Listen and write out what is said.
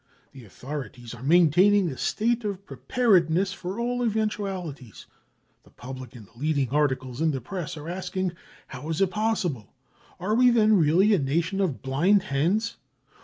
The authorities are maintaining a state of preparedness for all eventualities. The public and the leading articles in the Press are asking : Plow was it possible ? Are we then really a nation of blind hens